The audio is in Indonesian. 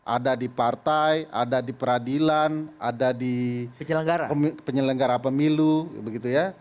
ada di partai ada di peradilan ada di penyelenggara pemilu begitu ya